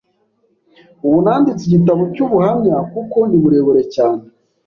Ubu nanditse igitabo cy’ubuhamya kuko ni burebure cyane